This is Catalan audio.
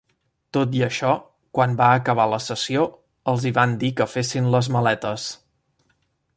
Tot i això, quan va acabar la sessió, els hi van dir que fessin les maletes.